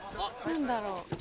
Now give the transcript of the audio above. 何だろう？